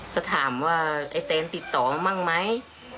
ก็ถามว่าไอ้แตนติดต่อมากมั้ย